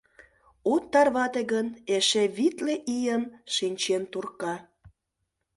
От тарвате гын, эше витле ийым шинчен турка.